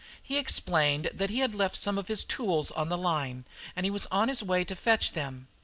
He explained that he had left some of his tools on the line, and was on his way to fetch them.